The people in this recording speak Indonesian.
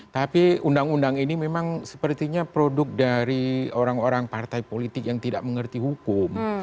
tapi undang undang ini memang sepertinya produk dari orang orang partai politik yang tidak mengerti hukum